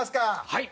はい。